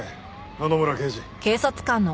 野々村刑事。